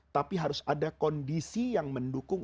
tapi harus ada kondisi yang mendukung